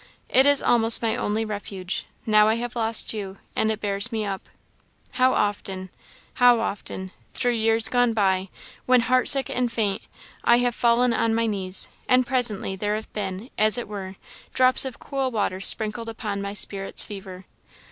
It is almost my only refuge, now I have lost you, and it bears me up. How often how often through years gone by when heart sick and faint I have fallen on my knees, and presently there have been, as it were, drops of cool water sprinkled upon my spirit's fever.